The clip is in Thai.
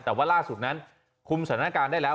แต่ว่าล่าสุดนั้นคุมสถานการณ์ได้แล้ว